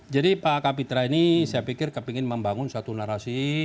jadi pak kapitra ini saya pikir ingin membangun satu narasi